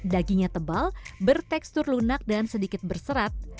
dagingnya tebal bertekstur lunak dan sedikit berserat